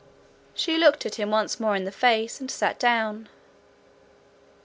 She looked him once more in the face, and sat down.